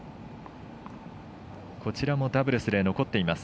こちらもダブルスで残っています